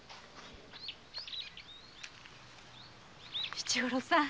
七五郎さん。